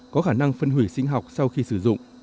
có khả năng phân hủy sinh học sau khi sử dụng